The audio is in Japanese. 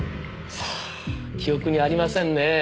さあ記憶にありませんねぇ。